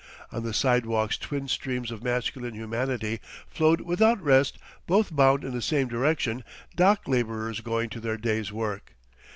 On the sidewalks twin streams of masculine humanity flowed without rest, both bound in the same direction: dock laborers going to their day's work.